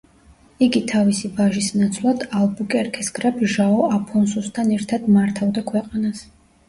იგი თავისი ვაჟის ნაცვლად ალბუკერკეს გრაფ ჟაო აფონსუსთან ერთად მართავდა ქვეყანას.